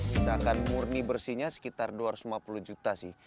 misalkan murni bersihnya sekitar dua ratus lima puluh juta sih